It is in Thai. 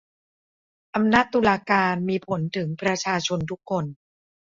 อำนาจตุลาการมีผลถึงประชาชนทุกคน